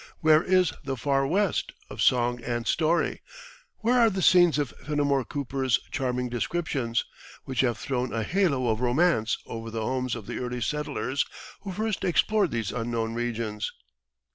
Where is the "Far West" of song and story? Where are the scenes of Fenimore Cooper's charming descriptions, which have thrown a halo of romance over the homes of the early settlers who first explored those unknown regions?